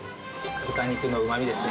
豚肉の旨みですね